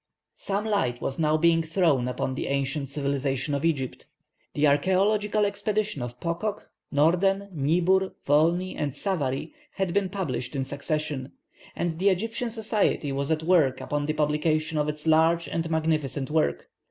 Some light was now being thrown upon the ancient civilization of Egypt. The archæological expedition of Pococke, Norden, Niebuhr, Volney, and Savary had been published in succession, and the Egyptian Society was at work upon the publication of its large and magnificent work.